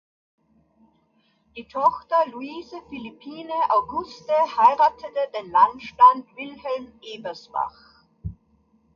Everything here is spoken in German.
Die Tochter Louise Philippine "Auguste" heiratete den Landstand Wilhelm Ebersbach.